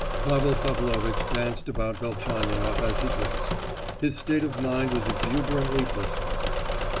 Pavel Pavlovitch danced about Velchaninoff as he dressed. His state of mind was exuberantly blissful.